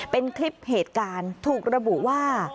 เป็นคลิปเหตุการณ์ถูกระบุว่า